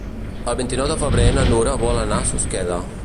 El vint-i-nou de febrer na Nura vol anar a Susqueda.